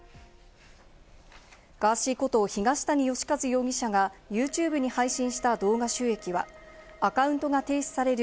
ガーシーこと東谷義和容疑者がユーチューブに配信した動画収益はアカウントが停止される